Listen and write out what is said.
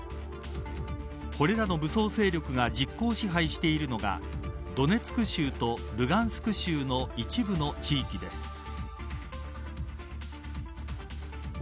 これらの武装勢力が実効支配しているのがドネツク州とルガンスク州の一部の地域です。